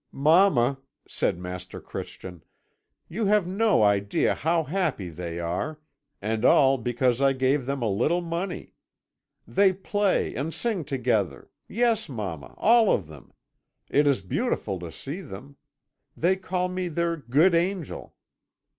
"'Mamma,' said Master Christian, 'you have no idea how happy they are and all because I gave them a little money. They play and sing together yes, mamma, all of them; it is beautiful to see them. They call me their good angel.'